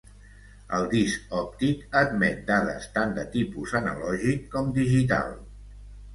El disc òptic admet dades tant de tipus analògic com digital.